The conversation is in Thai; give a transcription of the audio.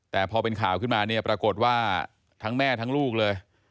แต่พอเป็นข่าวขึ้นมาเนี่ยปรากฏว่าทั้งแม่ทั้งลูกเลย